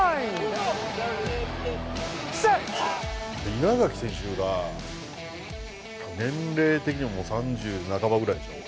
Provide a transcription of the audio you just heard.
稲垣選手が年齢的にももう３０半ばぐらいでしょう。